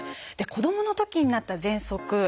子どものときになったぜんそく。